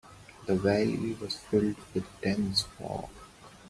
The valley was filled with dense fog.